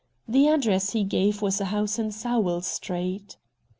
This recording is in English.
The address he gave was a house in Sowell Street.